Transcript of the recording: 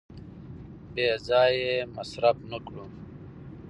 بې ځایه یې مصرف نه کړو.